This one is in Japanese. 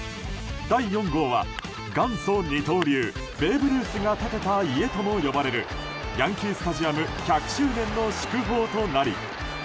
第４号は元祖二刀流、ベーブ・ルースが建てた家とも呼ばれるヤンキー・スタジアム１００周年の祝砲となり。